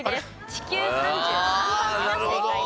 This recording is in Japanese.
地球３３番地が正解でした。